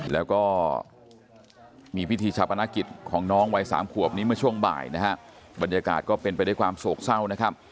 แล้วก็มีพิธีชาปนกิจของน้องวัยสามขวบนี้เมื่อช่วงบ่ายนะฮะบรรยากาศก็เป็นไปด้วยความโศกเศร้านะครับ